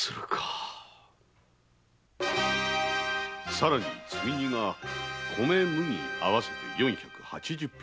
さらに積み荷が米麦合わせて四百八十俵。